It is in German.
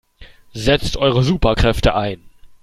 Setzt eure Superkräfte ein!